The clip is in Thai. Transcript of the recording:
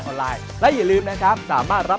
โอ้โห